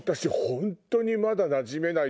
本当にまだなじめないというか。